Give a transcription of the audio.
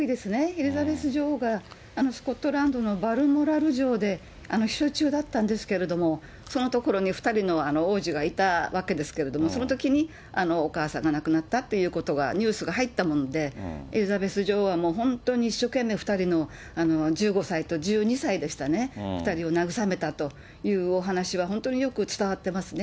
エリザベス女王がスコットランドのバルモラル城で避暑中だったんですけれども、その所に２人の王子がいたわけですけれども、そのときにお母さんが亡くなったっていうことが、ニュースが入ったもんで、エリザベス女王は本当に一生懸命、２人の１５歳と１２歳でしたね、２人を慰めたというお話は本当によく伝わっていますね。